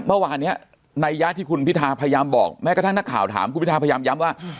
เมื่อวานนี้นัยยะที่คุณพิทาพยายามบอกแม้กระทั่งนักข่าวถามคุณพิทาพยายามย้ำว่า